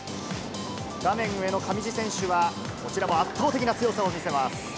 画面上の上地選手はこちらも圧倒的な強さを見せます。